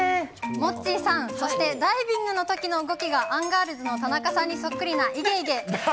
モッチーさん、そしてダイビングのときの動きが、アンガールズの田中さんにそっくりないげいげ。